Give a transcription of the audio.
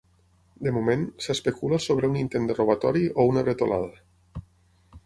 De moment, s’especula sobre un intent de robatori o una bretolada.